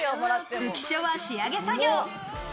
浮所は仕上げ作業。